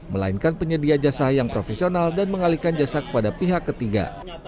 melainkan penyedia jasa yang profesional dan mengalihkan jasa kepada pihak ketiga